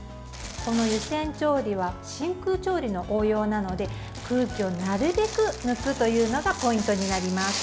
この湯煎調理は真空調理の応用なので空気をなるべく抜くというのがポイントになります。